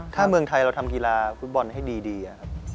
ถ้าเมืองไทยเราทำกีฬาฟุตบอลให้ดีครับ